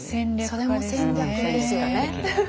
それも戦略ですよね。